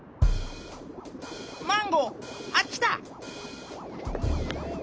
マンゴーあっちだ！